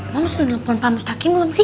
mams lo nelfon pamustakim belum sih